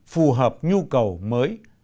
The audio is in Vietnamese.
phù hợp nhu cầu mới